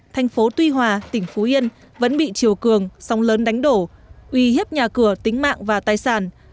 thành phố tuy hòa tỉnh phú yên vẫn bị chiều cường sông lớn đánh đổ uy hiếp nhà cửa tính mạng và tài sản